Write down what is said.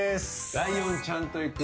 ライオンちゃんと行く！